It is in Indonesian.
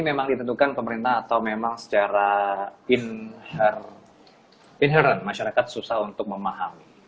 memang ditentukan pemerintah atau memang secara in her in heran masyarakat susah untuk memahami